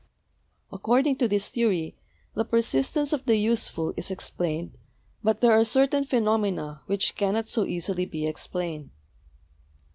According to this theory the persistence of the useful is explained, but there are certain phenomena which cannot so easily be explained.